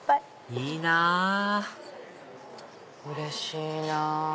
いいなぁうれしいなぁ！